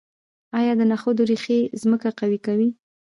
آیا د نخودو ریښې ځمکه قوي کوي؟